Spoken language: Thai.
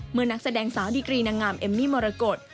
นักแสดงสาวดีกรีนางงามเอมมี่มรกฏ